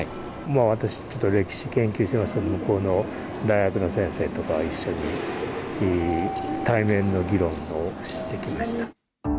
私、歴史の研究してまして、向こうの大学の先生とか一緒に、対面の議論をしてきました。